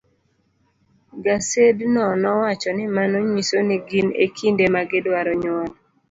Gasedno nowacho ni mano nyiso ni gin e kinde ma gidwaro nyuol.